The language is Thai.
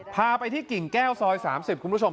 พาไปที่กิ่งแก้วซอย๓๐คุณผู้ชม